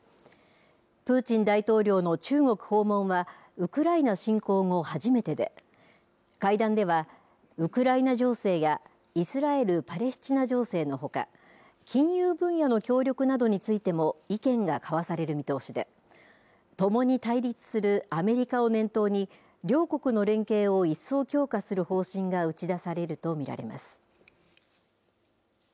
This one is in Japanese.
プーチン大統領の中国訪問は、ウクライナ侵攻後、初めてで、会談では、ウクライナ情勢やイスラエル・パレスチナ情勢のほか、金融分野の協力などについても意見が交わされる見通しで、共に対立するアメリカを念頭に、両国の連携を一層強化する方針が打ち出されると見られます。